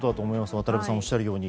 渡辺さんがおっしゃるように。